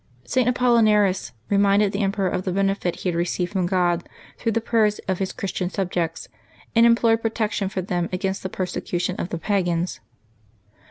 St. Apollinaris reminded the emperor of the benefit he had re ceived from God through the prayers of his Christian sub jects, and implored protection for them against the perse cution of the pagans.